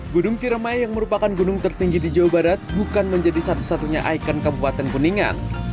gunung ciremai yang merupakan gunung tertinggi di jawa barat bukan menjadi satu satunya ikon kabupaten kuningan